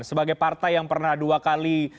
sebagai partai yang pernah dua kali